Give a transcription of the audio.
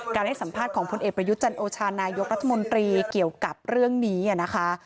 ให้สัมภาษณ์ของพลเอกประยุทธ์จันโอชานายกรัฐมนตรีเกี่ยวกับเรื่องนี้นะคะ